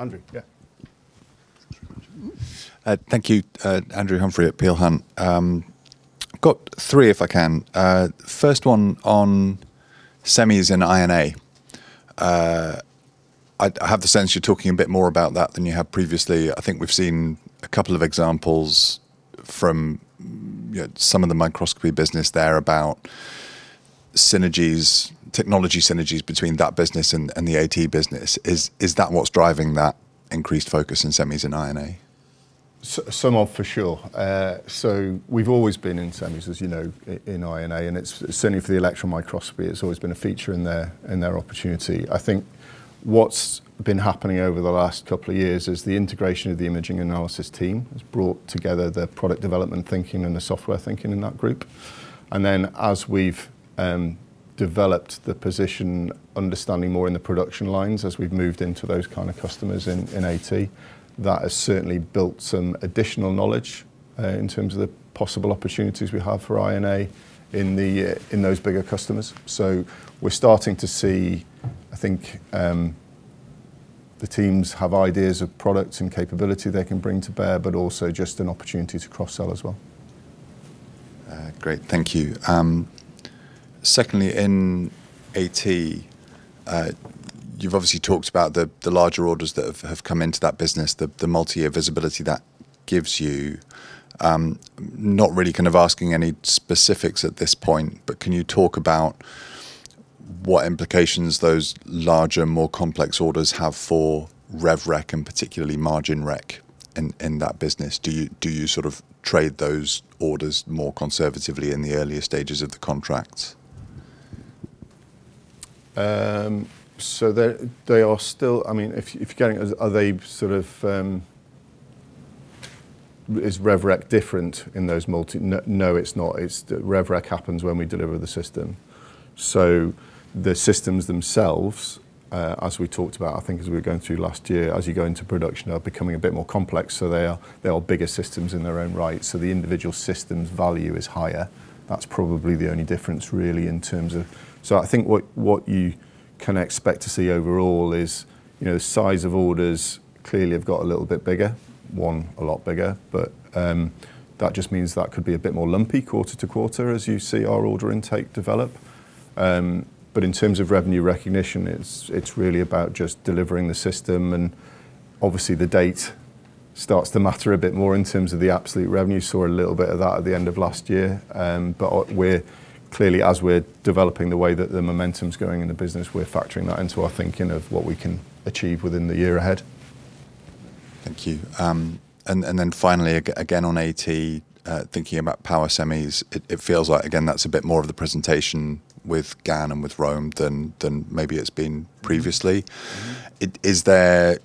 Andrew, yeah. Thank you. Andrew Humphrey at Peel Hunt. Got three, if I can. First one on semis in INA. I have the sense you're talking a bit more about that than you have previously. I think we've seen a couple of examples from some of the microscopy business there about synergies, technology synergies between that business and the AT business. Is that what's driving that increased focus in semis in INA? Some are, for sure. We've always been in semis, as you know, in INA, and certainly for the electron microscopy, it's always been a feature in their opportunity. I think what's been happening over the last couple of years is the integration of the Imaging & Analysis team has brought together the product development thinking and the software thinking in that group. Then as we've developed the position, understanding more in the production lines, as we've moved into those kind of customers in AT, that has certainly built some additional knowledge, in terms of the possible opportunities we have for INA in those bigger customers. We're starting to see, I think, the teams have ideas of products and capability they can bring to bear, but also just an opportunity to cross-sell as well. Great. Thank you. Secondly, in AT, you've obviously talked about the larger orders that have come into that business, the multi-year visibility that gives you. Not really kind of asking any specifics at this point, but can you talk about what implications those larger, more complex orders have for rev rec, and particularly margin rec in that business? Do you sort of trade those orders more conservatively in the earlier stages of the contracts? Is rev rec different in those multi. No, it's not. Rev rec happens when we deliver the system. The systems themselves, as we talked about, I think as we were going through last year, as you go into production, are becoming a bit more complex. They are bigger systems in their own right. The individual system's value is higher. That's probably the only difference, really. I think what you can expect to see overall is size of orders clearly have got a little bit bigger. One, a lot bigger. That just means that could be a bit more lumpy quarter-to-quarter as you see our order intake develop. In terms of revenue recognition, it's really about just delivering the system, and obviously the date starts to matter a bit more in terms of the absolute revenue. You saw a little bit of that at the end of last year. Clearly, as we're developing the way that the momentum's going in the business, we're factoring that into our thinking of what we can achieve within the year ahead. Thank you. Finally, again, on AT, thinking about power semis, it feels like, again, that's a bit more of the presentation with GaN and with ROHM than maybe it's been previously. Is that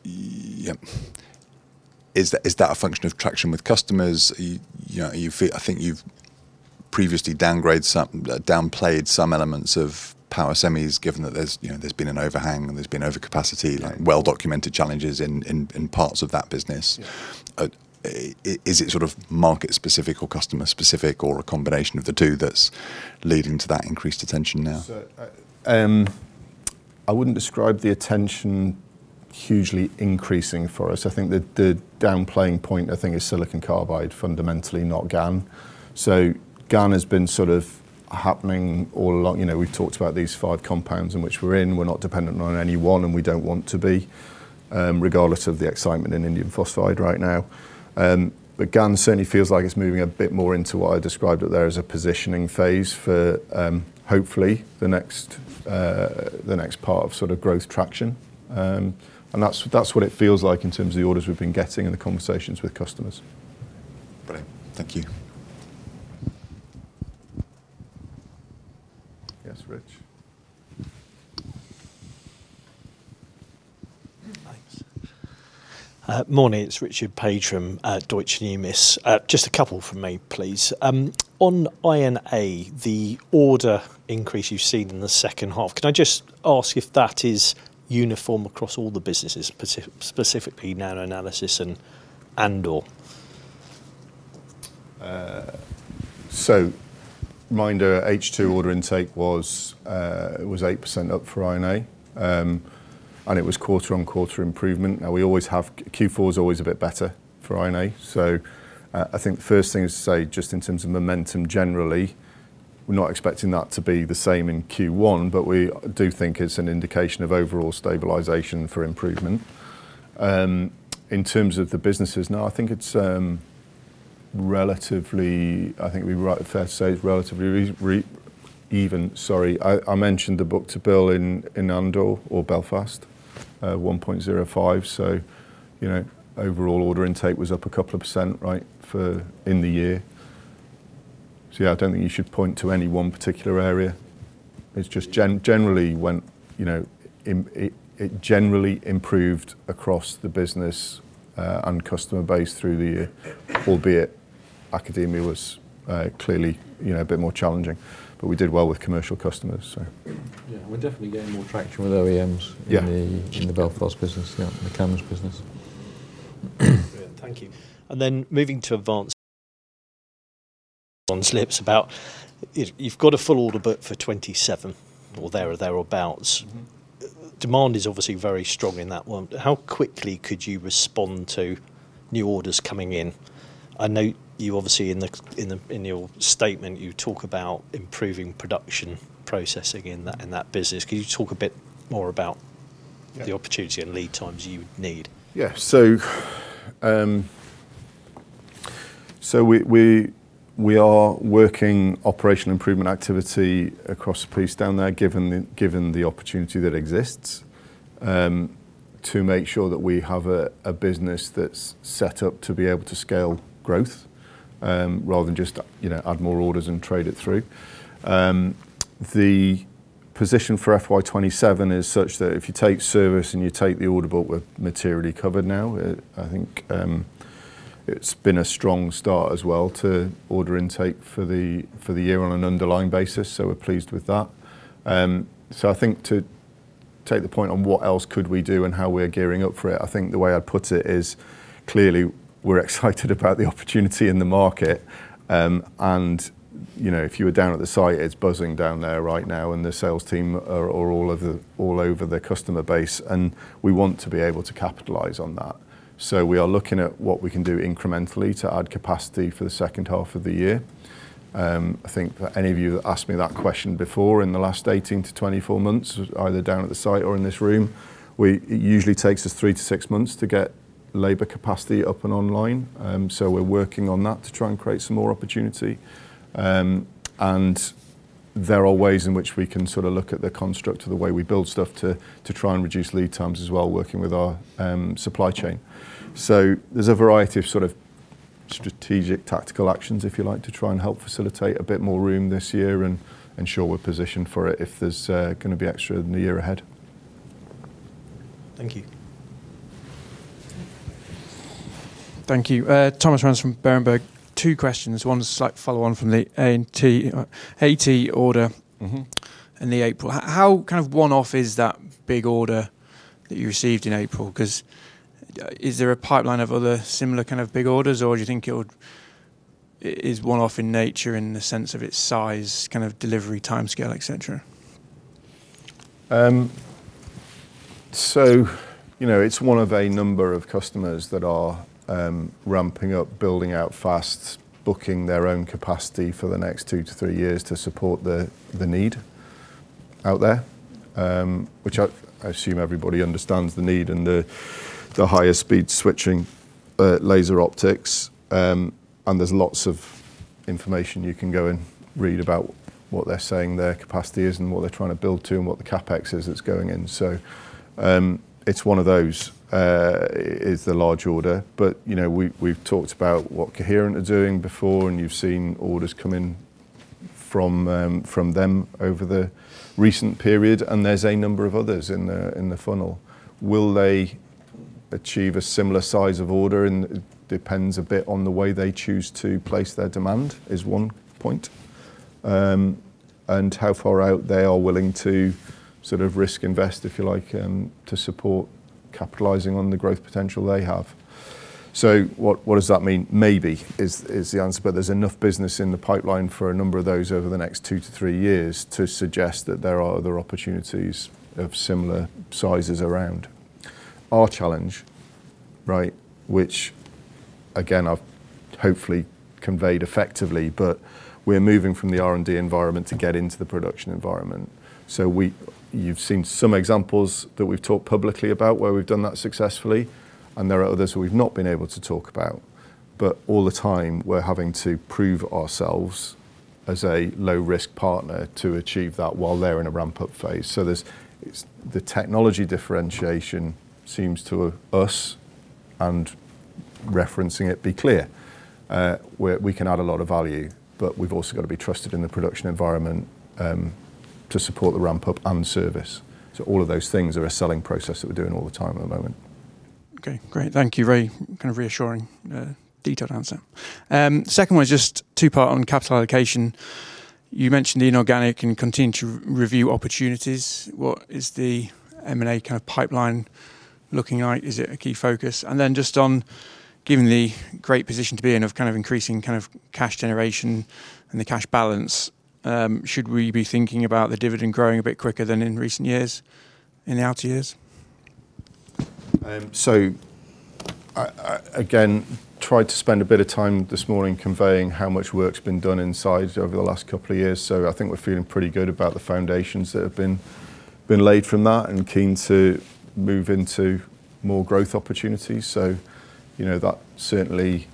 a function of traction with customers? I think you've previously downplayed some elements of power semis, given that there's been an overhang and there's been overcapacity. Right. Well-documented challenges in parts of that business. Yeah. Is it sort of market specific or customer specific, or a combination of the two that's leading to that increased attention now? I wouldn't describe the attention hugely increasing for us. I think the downplaying point is silicon carbide, fundamentally, not GaN. GaN has been sort of happening all along. We've talked about these five compounds in which we're in. We're not dependent on any one, and we don't want to be, regardless of the excitement in indium phosphide right now. GaN certainly feels like it's moving a bit more into what I described there as a positioning phase for hopefully the next part of sort of growth traction. That's what it feels like in terms of the orders we've been getting and the conversations with customers. Brilliant. Thank you. Yes, Rich. Thanks. Morning. It's Richard Paige from Deutsche Numis. Just a couple from me, please. On INA, the order increase you've seen in the second half, can I just ask if that is uniform across all the businesses, specifically NanoAnalysis and Andor? Reminder, H2 order intake was 8% up for INA, and it was quarter-on-quarter improvement. Q4 is always a bit better for INA. I think the first thing is to say, just in terms of momentum, generally, we're not expecting that to be the same in Q1, but we do think it's an indication of overall stabilization for improvement. In terms of the businesses, no, I think it'd be fair to say it's relatively even. Sorry. I mentioned the book-to-bill in Andor or Belfast, 1.05, so overall order intake was up a couple of % in the year. Yeah, I don't think you should point to any one particular area. It generally improved across the business and customer base through the year, albeit academia was clearly a bit more challenging. We did well with commercial customers, so. Yeah. We're definitely getting more traction with OEMs. Yeah. In the Belfast business. Yeah. The cameras business. Brilliant. Thank you. Moving to Advanced Technologies about you've got a full order book for FY 2027 or there or thereabouts. Demand is obviously very strong in that one. How quickly could you respond to new orders coming in? I know you obviously in your statement, you talk about improving production processing in that business. Can you talk a bit more about. Yeah. The opportunity and lead times you need? We are working operation improvement activity across the piece down there, given the opportunity that exists, to make sure that we have a business that's set up to be able to scale growth, rather than just add more orders and trade it through. The position for FY 2027 is such that if you take service and you take the order book, we're materially covered now. I think it's been a strong start as well to order intake for the year on an underlying basis. We're pleased with that. I think to take the point on what else could we do and how we're gearing up for it, I think the way I'd put it is clearly we're excited about the opportunity in the market. If you were down at the site, it's buzzing down there right now, and the sales team are all over the customer base, and we want to be able to capitalize on that. We are looking at what we can do incrementally to add capacity for the second half of the year. I think that any of you that asked me that question before, in the last 18-24 months, either down at the site or in this room, it usually takes us three to six months to get labor capacity up and online. We're working on that to try and create some more opportunity. There are ways in which we can look at the construct of the way we build stuff to try and reduce lead times as well, working with our supply chain. There's a variety of strategic, tactical actions, if you like, to try and help facilitate a bit more room this year and ensure we're positioned for it if there's going to be extra in the year ahead. Thank you. Thank you. Thomas Rands from Berenberg. Two questions. One's a slight follow-on from the AT order in April. How one-off is that big order that you received in April? Is there a pipeline of other similar big orders, or do you think it is one-off in nature in the sense of its size, delivery timescale, et cetera? It's one of a number of customers that are ramping up building out fast, booking their own capacity for the next two to three years to support the need out there, which I assume everybody understands the need and the higher speed switching laser optics. There's lots of information you can go and read about what they're saying their capacity is and what they're trying to build to and what the CapEx is that's going in. It's one of those is the large order. We've talked about what Coherent are doing before, and you've seen orders come in from them over the recent period, and there's a number of others in the funnel. Will they achieve a similar size of order? It depends a bit on the way they choose to place their demand is one point, and how far out they are willing to risk invest, if you like, to support capitalizing on the growth potential they have. What does that mean? Maybe, is the answer. There's enough business in the pipeline for a number of those over the next two to three years to suggest that there are other opportunities of similar sizes around. Our challenge, which again, I've hopefully conveyed effectively, but we're moving from the R&D environment to get into the production environment. You've seen some examples that we've talked publicly about where we've done that successfully, and there are others who we've not been able to talk about. All the time, we're having to prove ourselves as a low-risk partner to achieve that while they're in a ramp-up phase. The technology differentiation seems to us, and referencing it, be clear. We can add a lot of value, we've also got to be trusted in the production environment, to support the ramp-up and service. All of those things are a selling process that we're doing all the time at the moment. Okay, great. Thank you. Very reassuring, detailed answer. Second one is just two-part on capital allocation. You mentioned the inorganic and continue to review opportunities. What is the M&A pipeline looking like? Is it a key focus? Then just on given the great position to be in of increasing cash generation and the cash balance, should we be thinking about the dividend growing a bit quicker than in recent years, in the outer years? Again, tried to spend a bit of time this morning conveying how much work's been done inside over the last couple of years. I think we're feeling pretty good about the foundations that have been laid from that and keen to move into more growth opportunities. That certainly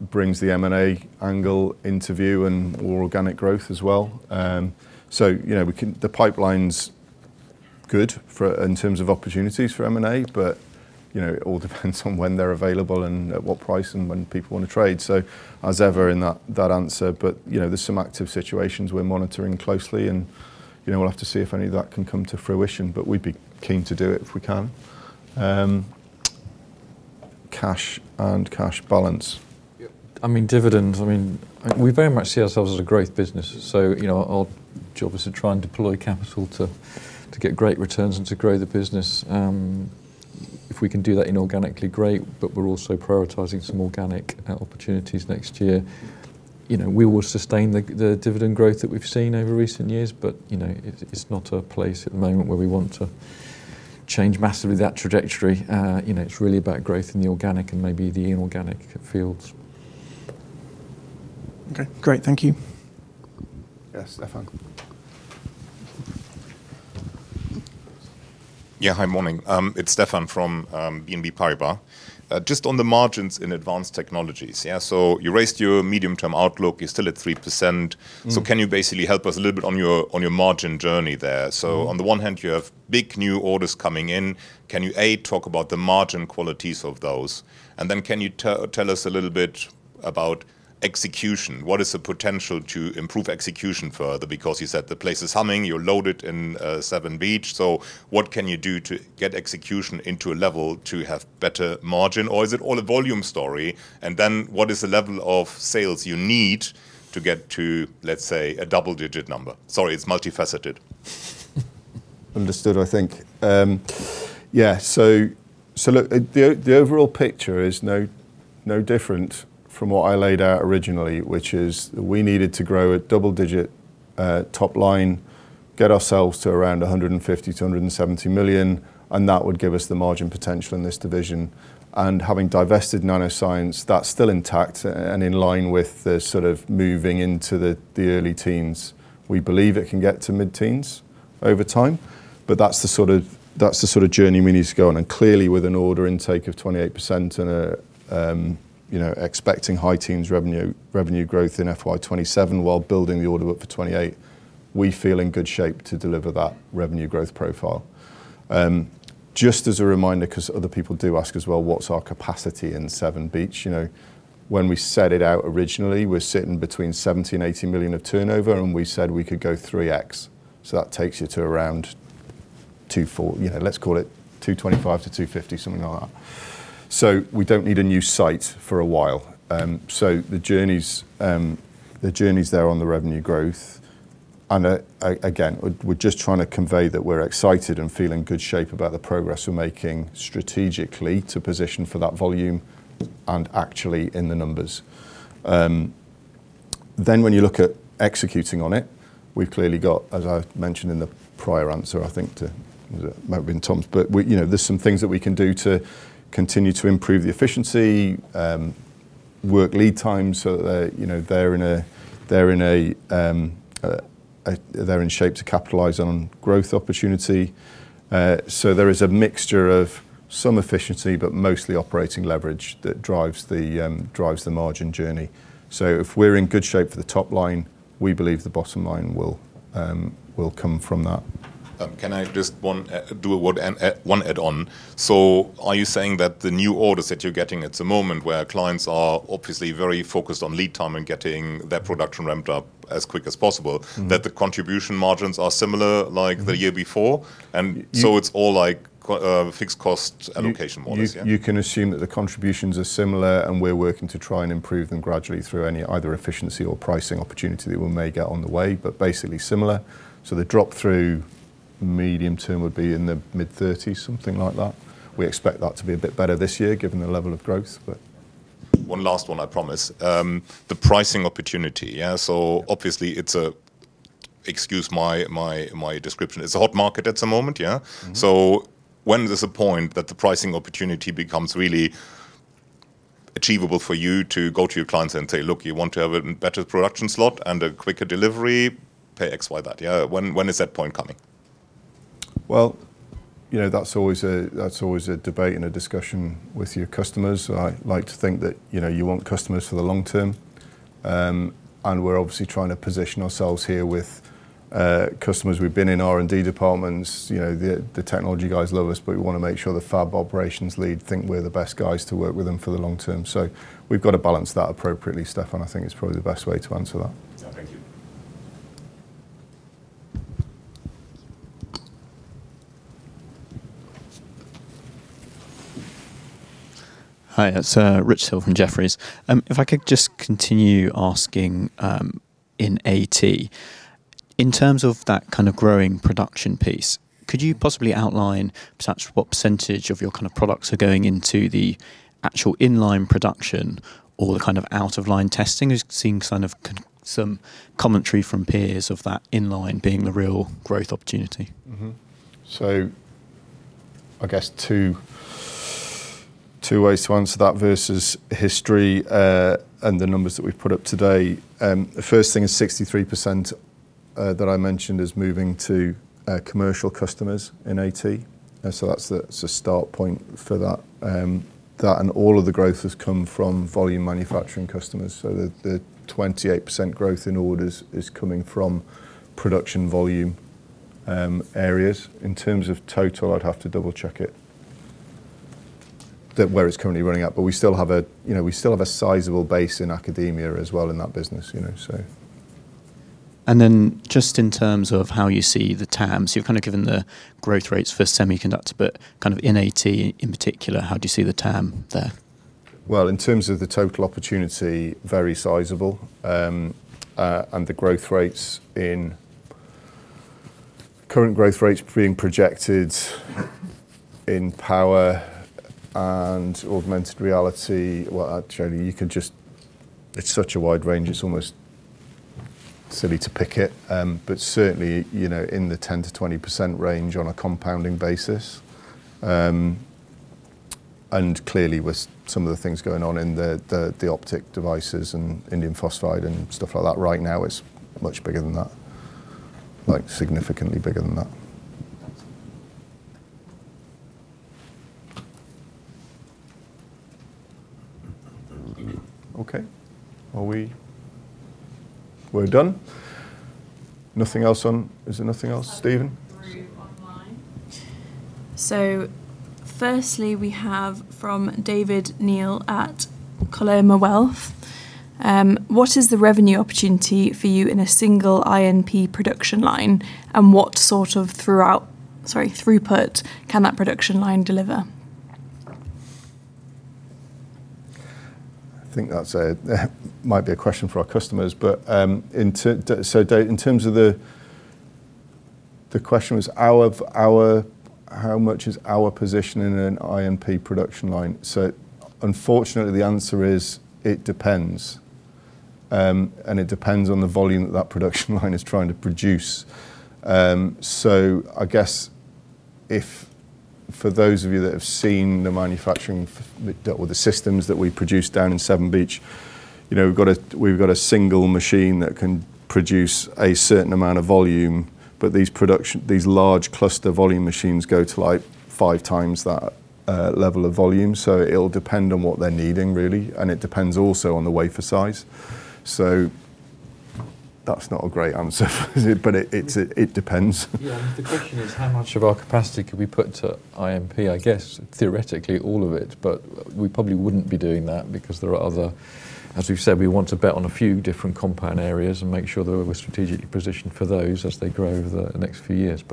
brings the M&A angle into view and all organic growth as well. The pipeline's good in terms of opportunities for M&A, it all depends on when they're available and at what price and when people want to trade. As ever in that answer, there's some active situations we're monitoring closely and we'll have to see if any of that can come to fruition, we'd be keen to do it if we can. Cash and cash balance. Yep. I mean, dividends, we very much see ourselves as a growth business. Our job is to try and deploy capital to get great returns and to grow the business. If we can do that inorganically, great, but we're also prioritizing some organic opportunities next year. We will sustain the dividend growth that we've seen over recent years, but it's not a place at the moment where we want to change massively that trajectory. It's really about growth in the organic and maybe the inorganic fields. Okay, great. Thank you. Yeah. Stefan. Yeah. Hi. Morning. It's Stefan from BNP Paribas. Just on the margins in Advanced Technologies, yeah? You raised your medium-term outlook. You're still at 3%. Can you basically help us a little bit on your margin journey there? On the one hand, you have big new orders coming in. Can you, A, talk about the margin qualities of those, and then can you tell us a little bit about execution? What is the potential to improve execution further? Because you said the place is humming. You're loaded in Severn Beach, what can you do to get execution into a level to have better margin, or is it all a volume story? What is the level of sales you need to get to, let's say, a double-digit number? Sorry, it's multifaceted. Understood, I think. Yeah. Look, the overall picture is no different from what I laid out originally, which is we needed to grow a double-digit top line, get ourselves to around 150 million-170 million, and that would give us the margin potential in this division. Having divested NanoScience, that's still intact and in line with the sort of moving into the early teens. We believe it can get to mid-teens over time, but that's the sort of journey we need to go on. Clearly, with an order intake of 28% and expecting high teens revenue growth in FY 2027 while building the order book for 2028, we feel in good shape to deliver that revenue growth profile. Just as a reminder, because other people do ask as well what's our capacity in Severn Beach. When we set it out originally, we're sitting between 17 million and 18 million of turnover, and we said we could go 3x. That takes you to around, let's call it, 225 million-250 million, something like that. We don't need a new site for a while. The journey's there on the revenue growth, and again, we're just trying to convey that we're excited and feel in good shape about the progress we're making strategically to position for that volume and actually in the numbers. When you look at executing on it, we've clearly got, as I mentioned in the prior answer, I think to might have been Tom, but there's some things that we can do to continue to improve the efficiency, work lead time so that they're in shape to capitalize on growth opportunity. There is a mixture of some efficiency, but mostly operating leverage that drives the margin journey. If we're in good shape for the top line, we believe the bottom line will come from that. Can I just do one add-on? Are you saying that the new orders that you're getting at the moment, where clients are obviously very focused on lead time and getting their production ramped up as quick as possible? That the contribution margins are similar, like the year before? It's all fixed cost allocation models, yeah? You can assume that the contributions are similar, and we're working to try and improve them gradually through either efficiency or pricing opportunity that we may get on the way, but basically similar. The drop-through medium term would be in the mid-30s, something like that. We expect that to be a bit better this year given the level of growth. One last one, I promise. The pricing opportunity. Yeah. Obviously, excuse my description, it's a hot market at the moment, yeah? When does the point that the pricing opportunity becomes really achievable for you to go to your clients and say, "Look, you want to have a better production slot and a quicker delivery, pay X, Y, that." Yeah. When is that point coming? That's always a debate and a discussion with your customers. I like to think that you want customers for the long term, and we're obviously trying to position ourselves here with customers. We've been in R&D departments. The technology guys love us, but we want to make sure the fab operations lead think we're the best guys to work with them for the long term. We've got to balance that appropriately, Stefan, I think is probably the best way to answer that. Thank you. Hi, it's Rich Hill from Jefferies. If I could just continue asking in AT, in terms of that kind of growing production piece, could you possibly outline perhaps what percentage of your kind of products are going into the actual in-line production or the kind of out-of-line testing? As seeing kind of some commentary from peers of that in-line being the real growth opportunity. I guess two ways to answer that versus history, and the numbers that we've put up today. The first thing is 63% that I mentioned is moving to commercial customers in AT. That's the start point for that. That and all of the growth has come from volume manufacturing customers. The 28% growth in orders is coming from production volume areas. In terms of total, I'd have to double-check it, that where it's currently running at. We still have a sizable base in academia as well in that business. Just in terms of how you see the TAMs, you've kind of given the growth rates for semiconductor, in AT in particular, how do you see the TAM there? In terms of the total opportunity, very sizable. Current growth rates being projected in power and augmented reality. Actually, it's such a wide range, it's almost silly to pick it. Certainly, in the 10%-20% range on a compounding basis. Clearly, with some of the things going on in the optic devices and indium phosphide and stuff like that right now, it's much bigger than that. Like, significantly bigger than that. Thanks. Okay. We're done. Nothing else on? Is there nothing else, Stephen? Through online. Firstly, we have from David Neil at Coloma Wealth. "What is the revenue opportunity for you in a single InP production line, and what sort of throughput can that production line deliver? I think that might be a question for our customers. The question was, how much is our position in an InP production line? Unfortunately, the answer is, it depends. It depends on the volume that that production line is trying to produce. I guess, for those of you that have seen the manufacturing or the systems that we produce down in Severn Beach, we've got a single machine that can produce a certain amount of volume. These large cluster volume machines go to five times that level of volume. It'll depend on what they're needing, really, and it depends also on the wafer size. That's not a great answer for you. It depends. Yeah. The question is, how much of our capacity could we put to InP? I guess theoretically all of it, we probably wouldn't be doing that, because as we've said, we want to bet on a few different compound areas and make sure that we're strategically positioned for those as they grow over the next few years.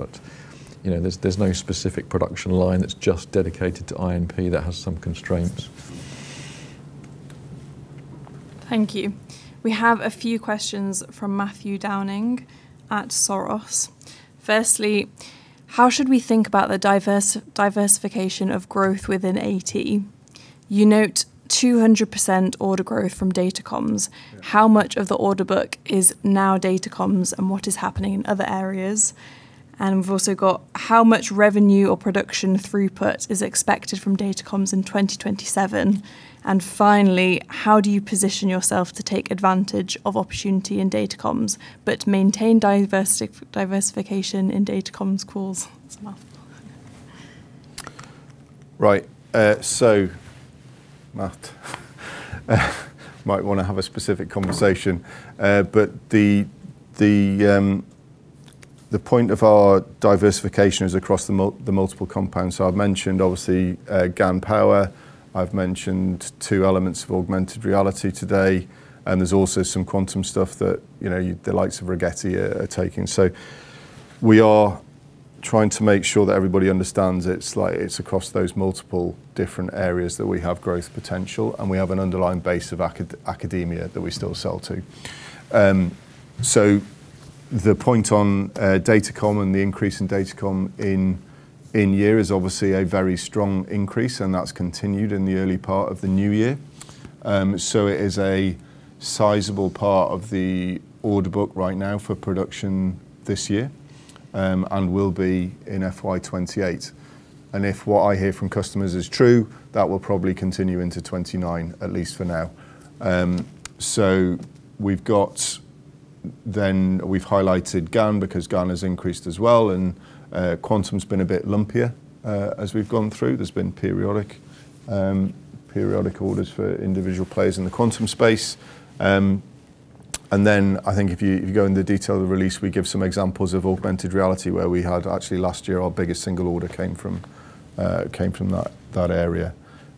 There's no specific production line that's just dedicated to InP that has some constraints. Thank you. We have a few questions from Matthew Downing at Soros. Firstly, "How should we think about the diversification of growth within AT? You note 200% order growth from data comms. How much of the order book is now data comms, and what is happening in other areas?" We've also got, "How much revenue or production throughput is expected from data comms in 2027?" Finally, "How do you position yourself to take advantage of opportunity in data comms but maintain diversification in data comms calls?" That's a mouthful. Right. Matt might want to have a specific conversation. The point of our diversification is across the multiple compounds. I've mentioned, obviously, GaN power. I've mentioned two elements of augmented reality today, and there's also some quantum stuff that the likes of Rigetti are taking. We are trying to make sure that everybody understands it's across those multiple different areas that we have growth potential, and we have an underlying base of academia that we still sell to. The point on data comms and the increase in data comms in year is obviously a very strong increase, and that's continued in the early part of the new year. It is a sizable part of the order book right now for production this year, and will be in FY 2028. If what I hear from customers is true, that will probably continue into 2029, at least for now. We've highlighted GaN because GaN has increased as well, and quantum's been a bit lumpier as we've gone through. There's been periodic orders for individual players in the quantum space. Then I think if you go in the detail of the release, we give some examples of augmented reality, where we had actually last year, our biggest single order came from that area.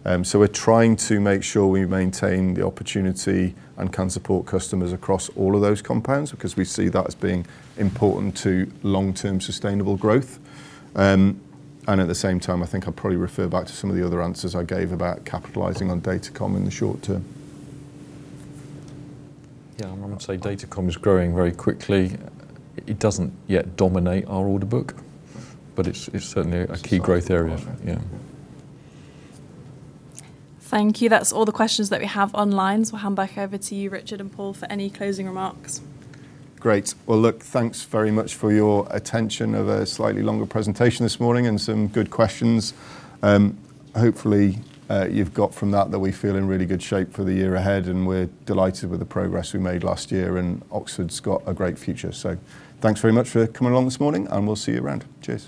We're trying to make sure we maintain the opportunity and can support customers across all of those compounds because we see that as being important to long-term sustainable growth. At the same time, I think I'll probably refer back to some of the other answers I gave about capitalizing on data comms in the short term. Yeah, I might say data comms is growing very quickly. It doesn't yet dominate our order book, but it's certainly a key growth area. It's a growth area. Yeah. Thank you. That's all the questions that we have online. I'll hand back over to you, Richard and Paul, for any closing remarks. Great. Well, look, thanks very much for your attention of a slightly longer presentation this morning and some good questions. Hopefully, you've got from that we feel in really good shape for the year ahead, and we're delighted with the progress we made last year, and Oxford's got a great future. Thanks very much for coming along this morning, and we'll see you around. Cheers.